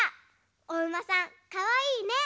おうまさんかわいいね。